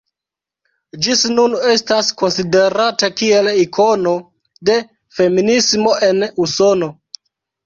Ĝi nun estas konsiderata kiel ikono de feminismo en Usono.